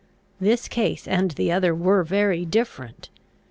This case and the other were very different.